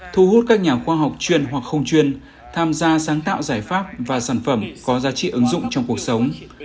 thu hút các nhà khoa học chuyên hoặc không chuyên tham gia sáng tạo giải pháp và sản phẩm có giá trị ứng dụng trong cuộc sống